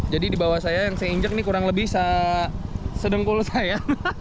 jadi di bawah saya yang saya injek ini kurang lebih sedengkul saya